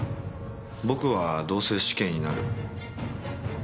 僕はどうせ死刑になる。